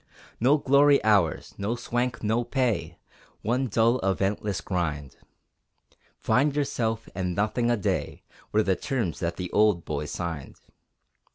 No glory ours, no swank, no pay, One dull eventless grind; Find yourself, and nothing a day Were the terms that the old boys signed.